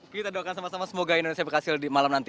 kita doakan sama sama semoga indonesia berhasil di malam nanti